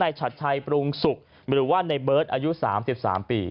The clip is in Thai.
นายชัดทัยปรุงสุขไม่รู้ว่าในเบิร์ดอายุ๓๓ปี